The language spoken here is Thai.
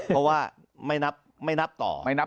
เพราะว่าไม่นับต่อ